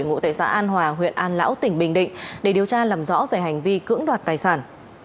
ngụ tệ xã an hòa huyện an lão tỉnh bình định để điều tra làm rõ về hành vi cưỡng đoạt tài sản